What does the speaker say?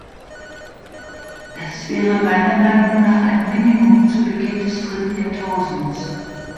Das wäre meiner Meinung nach ein Minimum zu Beginn des dritten Jahrtausends.